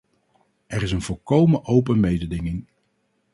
Er is een volkomen open mededinging.